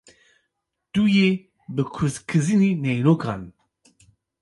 Tu yê bikûzkizînî neynokan.